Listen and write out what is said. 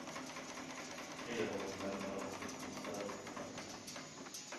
Taylor was a member of the Conservative Party.